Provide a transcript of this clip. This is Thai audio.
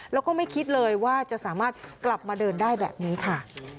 แล้วก็ไม่คิดเลยว่าจะสามารถกลับมาเดินได้แบบนี้ค่ะ